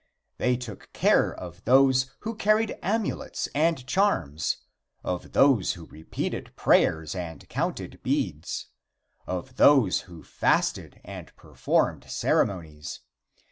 They took care of those who carried amulets and charms, of those who repeated prayers and counted beads, of those who fasted and performed ceremonies.